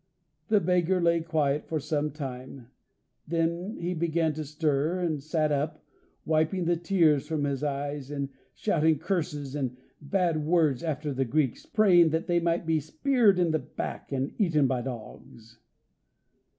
The beggar lay quiet for some time, then he began to stir, and sat up, wiping the tears from his eyes, and shouting curses and bad words after the Greeks, praying that they might be speared in the back, and eaten by dogs.